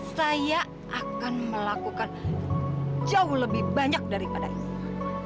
saya akan melakukan jauh lebih banyak daripada ini